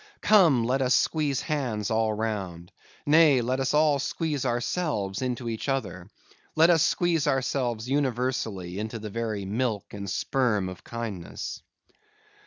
Come; let us squeeze hands all round; nay, let us all squeeze ourselves into each other; let us squeeze ourselves universally into the very milk and sperm of kindness.